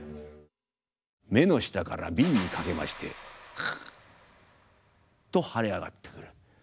目の下から鬢にかけましてカッと腫れ上がってくる。